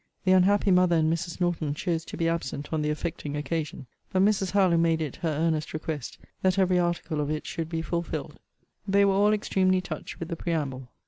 The unhappy mother and Mrs. Norton chose to be absent on the affecting occasion. But Mrs. Harlowe made it her earnest request that every article of it should be fulfilled. They were all extremely touched with the preamble.